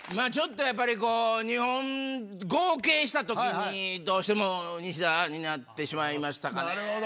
ちょっとやっぱりこう２本合計したときにどうしても西田になってしまいましたかね。